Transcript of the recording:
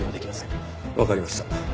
わかりました。